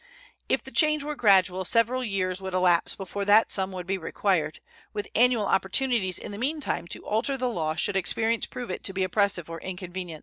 If the change were gradual, several years would elapse before that sum would be required, with annual opportunities in the meantime to alter the law should experience prove it to be oppressive or inconvenient.